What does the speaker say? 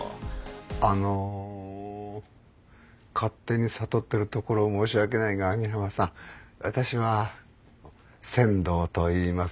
あの勝手に悟ってるところ申し訳ないが網浜さん私は千堂といいます。